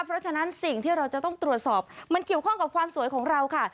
เพราะฉะนั้นสิ่งที่เราจะต้องตรวจสอบมันเกี่ยวข้องกับความสวยของเราค่ะ